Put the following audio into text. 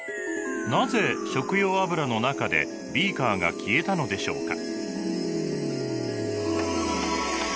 なぜ食用油の中でビーカーが消えたのでしょうか？